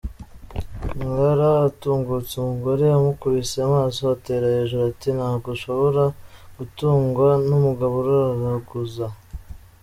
Ngara atungutse umugore umukubise amaso atera hejuru ati "Ntabwo nashobora gutungwa n’umugabo uraraguza.